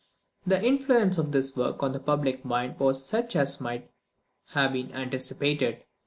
The influence of this work on the public mind was such as might have been anticipated.